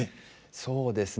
そうですね。